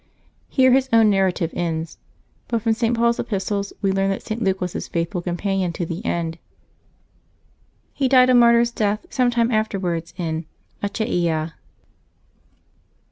Here his own narrative ends, but from St. Paul's Epistles we learn that St. Luke was his faithful companion to the end. He died a mar tyr's death some time afterwards in Achaia.